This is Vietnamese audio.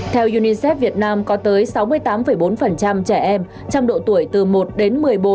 theo unicef việt nam có tới sáu mươi tám bốn trẻ em trong độ tuổi từ một đến một mươi bốn